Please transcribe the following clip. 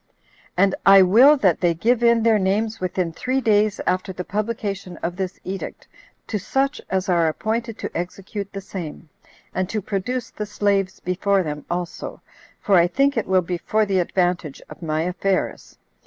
And I will that they give in their names within three days after the publication of this edict, to such as are appointed to execute the same, and to produce the slaves before them also, for I think it will be for the advantage of my affairs.